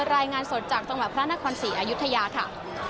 รายงานสดจากจังหวัดพระนครศรีอายุทยาค่ะ